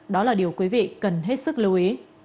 đó là điều quý vị cần hết sức lưu ý